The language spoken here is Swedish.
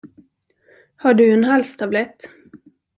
Har du en halstablett?